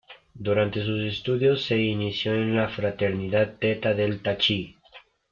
Durante sus estudios se inició en la Fraternidad Theta Delta Chi.